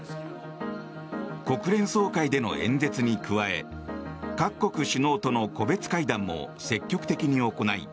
国連総会での演説に加え各国首脳との個別会談も積極的に行い